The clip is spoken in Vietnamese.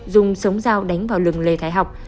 dùng sống dao đánh vào lừng lê thái học